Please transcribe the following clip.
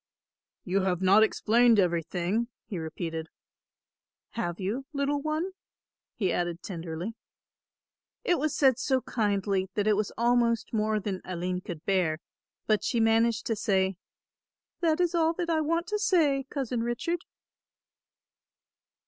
"You have not explained everything," he repeated, "have you, little one?" he added tenderly. It was said so kindly that it was almost more than Aline could bear, but she managed to say, "That is all that I want to say, Cousin Richard."